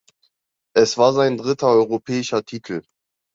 Es war sein dritter europäischer Titel.